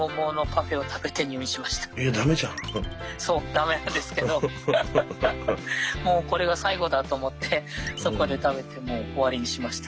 駄目なんですけどもうこれが最後だと思ってそこで食べてもう終わりにしました。